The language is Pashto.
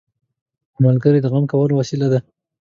ملګری د غم کمولو وسیله ده